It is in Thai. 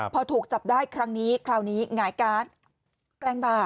พอถูกจับได้ครั้งนี้คราวนี้หงายการ์ดแกล้งบ่า